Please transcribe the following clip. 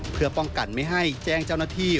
เพื่อป้องกันไม่ให้แจ้งเจ้าหน้าที่